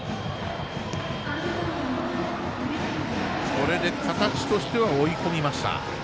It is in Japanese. これで形としては追い込みました。